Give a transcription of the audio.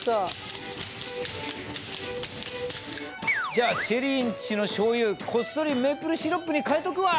じゃあＳＨＥＬＬＹんちのしょうゆこっそりメープルシロップに変えとくわ。